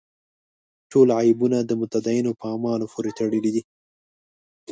ټول عیبونه د متدینو په اعمالو پورې تړلي دي.